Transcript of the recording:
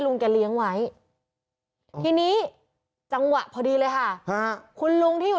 ลุงแกเลี้ยงไว้ทีนี้จังหวะพอดีเลยค่ะคุณลุงที่อยู่